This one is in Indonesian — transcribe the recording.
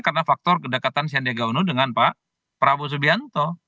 karena faktor kedekatan siandia gauno dengan pak prabowo subianto